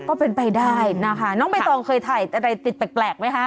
ก็เป็นไปได้นะคะน้องใบตองเคยถ่ายอะไรติดแปลกไหมคะ